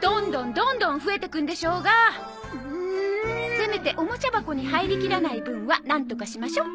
せめておもちゃ箱に入りきらない分はなんとかしましょう。